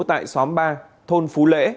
tại xóm ba thôn phú lễ